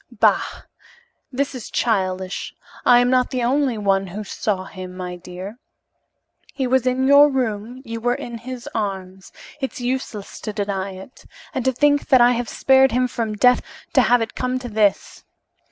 "Bah! This is childish. I am not the only one who saw him, my dear. He was in your room you were in his arms. It's useless to deny it. And to think that I have spared him from death to have it come to this!